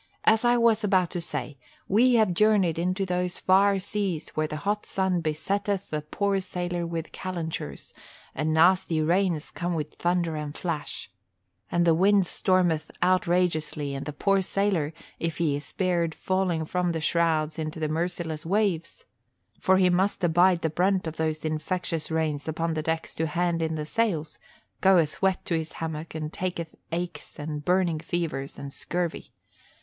As I was about to say, we have journeyed into those far seas where the hot sun besetteth a poor sailor with calentures, and nasty rains come with thunder and flash, and the wind stormeth outrageously and the poor sailor, if he is spared falling from the shrouds into the merciless waves, for he must abide the brunt of those infectious rains upon the decks to hand in the sails, goeth wet to his hammock and taketh aches and burning fevers and scurvy.